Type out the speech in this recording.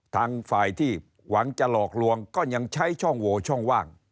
ทางฝ่ายที่หวังจะหลอกลวงก็ยังใช้ช่องโวช่องว่าง